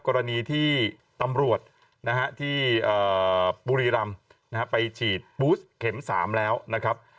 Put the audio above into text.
กรณีที่ตำรวจที่บุรีรำไปฉีดบูสเข็ม๓แล้วนะครับ